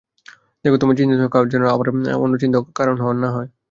দেখো তোমার চিন্তিত হওয়ার কারণ যেন আবার আমার চিন্তা হওয়ার কারণ না হয়?